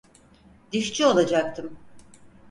Dişçi olacaktım.